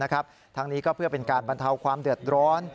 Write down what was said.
ทั้งนี้ก็เพื่อเป็นการบรรเทาความเดือดร้อน